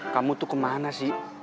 kamu tuh kemana sih